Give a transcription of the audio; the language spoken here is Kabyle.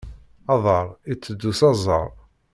Aḍar, iteddu s aẓar.